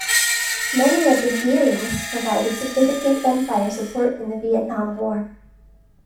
Many of the "Gearing"s provided significant gunfire support in the Vietnam War.